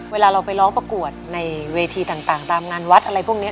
เวลาเราไปร้องประกวดในเวทีต่างตามงานวัดอะไรพวกนี้